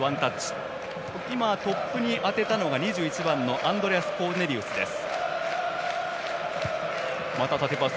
トップに当てたのが２１番のアンドレアス・コーネリウスです。